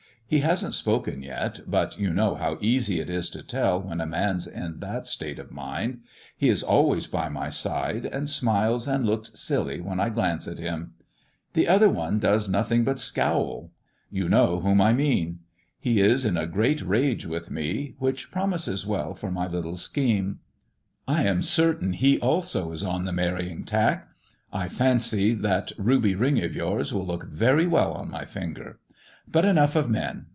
He hasn't spoken yet, but you know how easy it is to tell when a man's in that state of mind. He is always by my side, and smiles and looks silly when I glance at him. The other one does nothing but MISS JONATHAN 183 scowl. You know whom I mean. He is in a great rage with me, which promises well for my little scheme. I am certain he also is on the marrying tack. I fancy that ruby ring of yours will look very well on my finger. But enough of men.